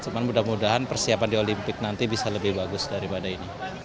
cuman mudah mudahan persiapan di olimpik nanti bisa lebih bagus daripada ini